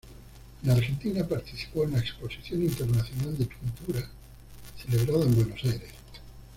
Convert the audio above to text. En Argentina participó en la "Exposición Internacional de Pintura" celebrada en Buenos Aires.